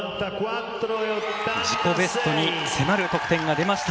自己ベストに迫る得点が出ました。